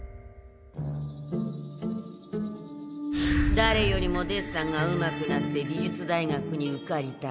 だれよりもデッサンがうまくなって美術大学に受かりたい。